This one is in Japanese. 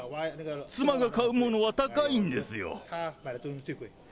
妻の買うものは高いんですよ。